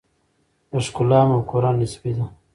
د ښکلا مفکوره نسبي ده.